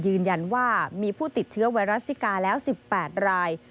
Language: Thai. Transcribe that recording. ยืนยันว่ามีผู้ติดเชื้อไวรัสซิกาแล้ว๑๘ราย